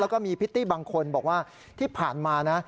แล้วก็มีพิตตี้บางคนบอกว่าที่ผ่านมานะ